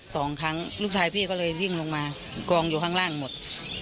สองครั้งลูกชายพี่ก็เลยวิ่งลงมากองอยู่ข้างล่างหมด